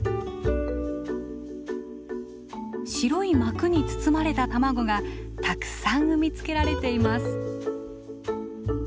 白い膜に包まれた卵がたくさん産み付けられています。